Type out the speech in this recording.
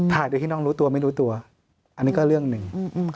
ถ่ายโดยที่น้องรู้ตัวไม่รู้ตัวอันนี้ก็เรื่องหนึ่ง